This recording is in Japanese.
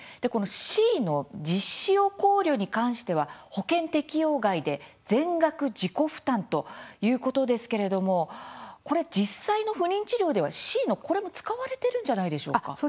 このＣの実施を考慮に関しては保険適用外で、全額自己負担ということですけれども実際の不妊治療ではＣのこれも、使われているんじゃないでしょうか？